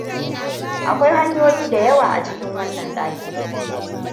Akwai hanyoyi da yawa da yawa a cikin wannan ɗakin.